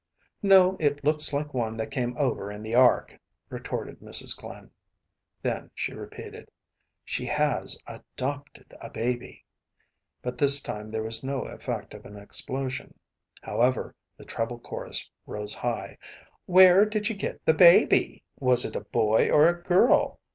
“No, it looks like one that came over in the ark,‚ÄĚ retorted Mrs. Glynn. Then she repeated: “She has adopted a baby,‚ÄĚ but this time there was no effect of an explosion. However, the treble chorus rose high, “Where did she get the baby? Was it a boy or a girl?